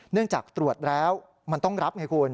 จากตรวจแล้วมันต้องรับไงคุณ